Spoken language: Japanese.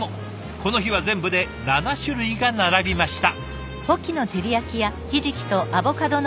この日は全部で７種類が並びました。